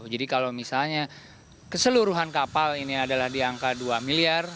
jadi kalau misalnya keseluruhan kapal ini adalah di angka dua miliar